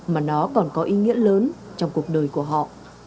mà nó còn có ý nghĩa lớn trong cuộc đời của họ